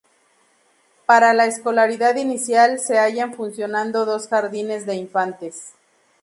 Para la escolaridad inicial, se hallan funcionando dos jardines de infantes.